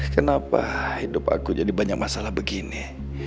kenapa hidup aku jadi banyak masalah begini